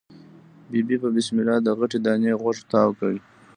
ببۍ په بسم الله د غټې دانی غوږ تاو کړ.